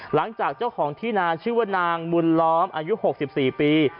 หลังจากเจ้าของที่นาชื่อว่านางบุญล้อมอายุ๖๔ปี